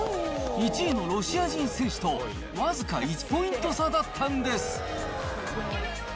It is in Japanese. １位のロシア人選手と僅か１ポイント差だったんです。